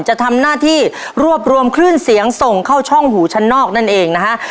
จะทำหน้าที่รวบรวมคลื่นเสียงส่งเข้าช่องหูชั้นนอกนั่นเองนะฮะ